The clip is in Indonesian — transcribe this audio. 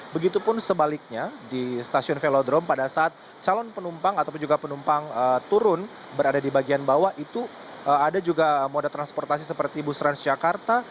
begitupun sebaliknya di stasiun velodrome pada saat calon penumpang ataupun juga penumpang turun berada di bagian bawah itu ada juga moda transportasi seperti bus transjakarta